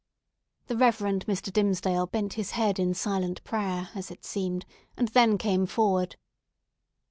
The Reverend Mr. Dimmesdale bent his head, in silent prayer, as it seemed, and then came forward.